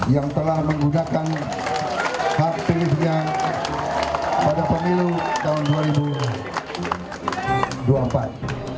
yang telah menggunakan hak pilihnya pada pemilu tahun dua ribu dua puluh empat